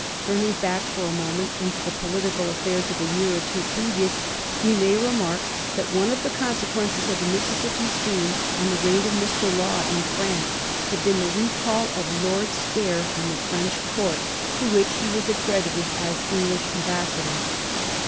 Turning back for a moment into the political affairs of a year or two previous, we may remark that one of the consequences of the Mississippi scheme, and the reign of Mr. Law in France, had been the recall of Lord Stair from the French Court, Digiti zed by Google 296 A HISTORY OF THE FOUR GEORGES, ch. xiy. to which he was accredited as English ambassador.